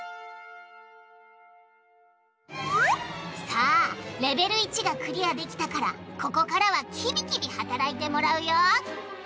さあレベル１がクリアできたからここからはキビキビ働いてもらうよ！